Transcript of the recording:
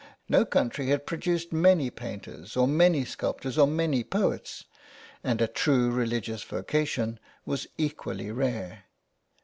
No country had produced many painters or many sculptors or many poets, and a true religious vocation was equally rare.